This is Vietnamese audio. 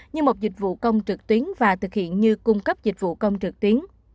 như một dịch vụ công trực tuyến và thực hiện như cung cấp dịch vụ công trực tuyến